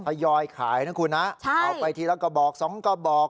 พยอยขายนะคุณนะใช่เอาไปทีแล้วก็บอกสองก็บอก